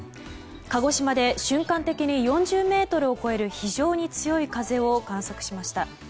鹿児島で瞬間的に４０メートルを超える非常に強い風を観測しました。